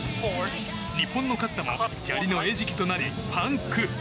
日本の勝田も砂利の餌食となりパンク。